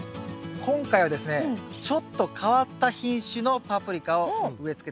今回はですねちょっと変わった品種のパプリカを植えつけたいと思います。